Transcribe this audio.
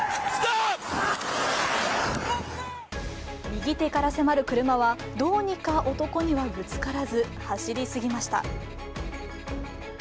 右手から迫る車はどうにか男にはぶつからず走り去りました。